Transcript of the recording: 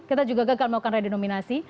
kita juga gagal melakukan redenominasi